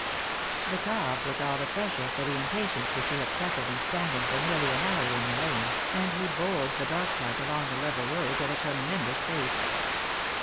The cob was all the fresher for the impatience which he had suffered in standing for nearly an hour in the lane, and he bowled the dogcart along the level roads at a tremendous pace.